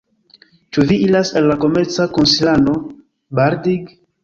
Ĉu vi iras al la komerca konsilano Balding?